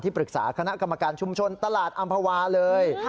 ปรึกษาคณะกรรมการชุมชนตลาดอำภาวาเลย